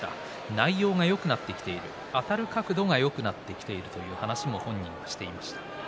内容がよくなってきているあたる角度がよくなってきているという話も本人はしていました。